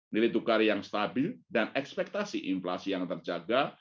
nilai tukar yang stabil dan ekspektasi inflasi yang terjaga